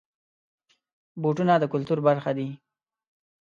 بوټونه د کلتور برخه دي.